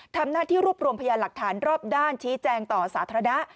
ทำหน้าที่รวบรวมพยานหลักฐานรอบด้านชี้แจงต่อสาธารณะ